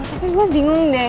sambil itu gue bingung deh